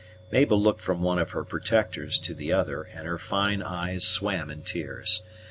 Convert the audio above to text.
Mabel looked from one of her protectors to the other, and her fine eyes swam in tears.